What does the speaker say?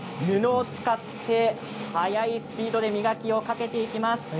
布を使って早いスピードで磨きをかけていきます。